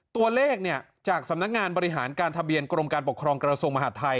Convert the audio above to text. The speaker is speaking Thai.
ตัวเลขจากสำนักงานบริหารการทะเบียนกรมการปกครองกระทรวงมหาดไทย